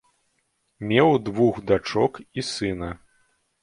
Меў двух дачок і сына.